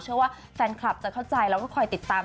เชื่อว่าแฟนคลับจะเข้าใจแล้วก็คอยติดตาม